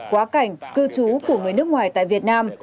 quá cảnh cư trú của người nước ngoài tại việt nam